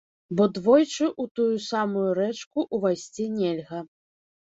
Бо двойчы ў тую самую рэчку ўвайсці нельга.